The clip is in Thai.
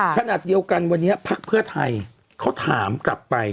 ขณะเดียวกันวันนี้ภักดิ์เพื่อไทยเขาถามกลับไป